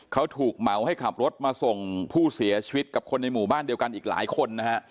เขาถูกเหมาให้ขับรถมาส่งผู้เสียชีวิตกับคนในหมู่บ้านเดียวกันอีกหลายคนนะฮะ